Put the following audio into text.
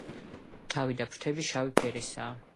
თავი და ფრთები შავი ფერისაა.